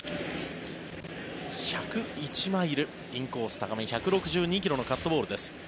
１０１マイル、インコース高め１６２ｋｍのカットボールです。